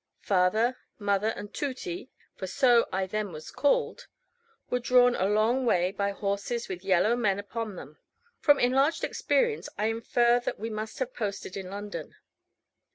Father, mother, and Tooty for so I then was called were drawn a long way by horses with yellow men upon them: from enlarged experience I infer that we must have posted to London.